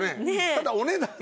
ただお値段。